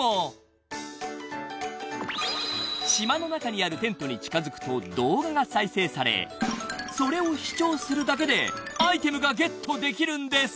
［島の中にあるテントに近づくと動画が再生されそれを視聴するだけでアイテムがゲットできるんです］